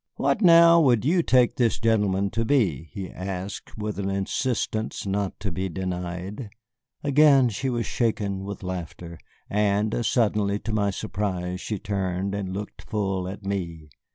"What, now, would you take this gentleman to be?" he asked with an insistence not to be denied. Again she was shaken with laughter, and suddenly to my surprise she turned and looked full at me.